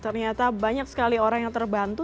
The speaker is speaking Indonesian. ternyata banyak sekali orang yang terbantu